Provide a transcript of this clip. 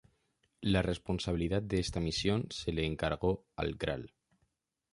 La responsabilidad de esta misión se le encargó al Gral.